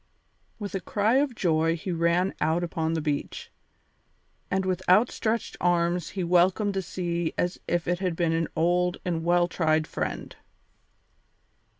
With a cry of joy he ran out upon the beach, and with outstretched arms he welcomed the sea as if it had been an old and well tried friend.